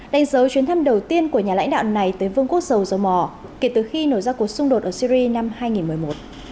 đánh dấu chuyến thăm đầu tiên của nhà lãnh đạo này tới vương quốc dầu dầu mỏ kể từ khi nổ ra cuộc xung đột ở syri năm hai nghìn một mươi một